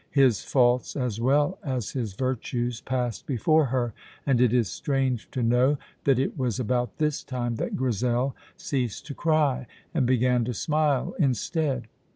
His faults as well as his virtues passed before her, and it is strange to know that it was about this time that Grizel ceased to cry and began to smile instead.